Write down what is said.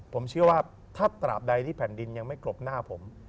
ผมเชื่อว่าถ้าตราบใดที่แผ่นดินยังไม่กรบหน้าผม